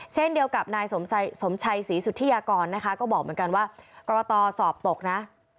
เช่นเดียวกับนายสมชัยศรีสุธิยากรนะคะก็บอกเหมือนกันว่ากรกตสอบตกนะ